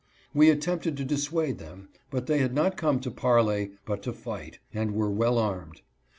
We attempted to dissuade them, but they had not come to parley but to fight, and were well armed.